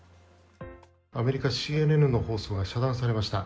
アメリカＣＮＮの放送が遮断されました。